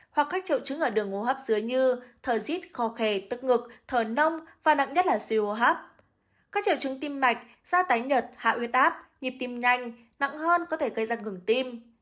hoặc các triệu chứng ở đường hô hấp dưới như thở dít kho khề tức ngực thở nông và nặng nhất là suy hô hấp các triệu chứng tim mạch da tái nhật hạ huyết áp nhịp tim nhanh nặng hơn có thể gây ra ngừng tim